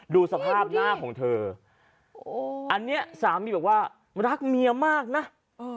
ดูสภาพหน้าของเธอโอ้อันเนี้ยสามีบอกว่ารักเมียมากนะเออ